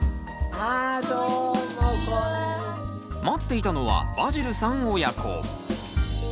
待っていたのはバジルさん親子。